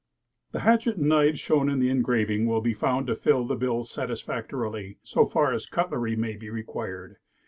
The hatchet and knives shown m the engraving will be found to fill the bill satisfactorily so far as cutlery may be required.